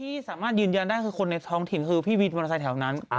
ที่สามารถยืนยันได้คือคนในท้องถิ่นคือพี่วินมอเตอร์ไซค์แถวนั้น